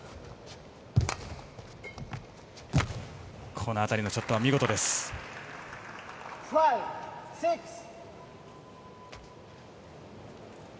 この辺りのショットは見事です。